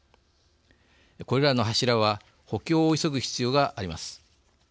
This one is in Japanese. これらの柱は補強を急ぐ必要があります。